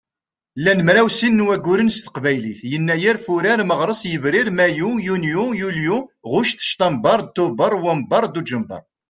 Llan mraw sin n wagguren s teqbaylit: Yennayer, Fuṛar, Meɣres, Yebrir, Mayyu, Yunyu, Yulyu, Ɣuct, Ctamber, Tuber, Wamber, Dujember.